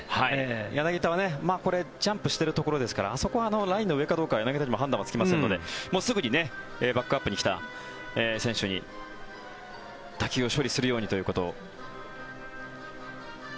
柳田はジャンプしているところですからあそこはラインの上かどうか柳田にも判断はつきませんのですぐにバックアップに来た選手に打球を処理するようにということを。